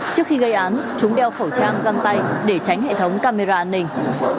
trước khi gây án chúng đeo khẩu trang găng tay để tránh hệ thống camera an ninh